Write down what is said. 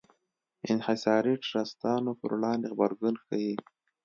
انحصاري ټرستانو پر وړاندې غبرګون ښيي.